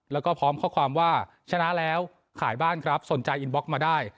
แล้วก็พร้อมข้อความว่าชนะแล้วขายบ้านครับสนใจอินบล็อกมาได้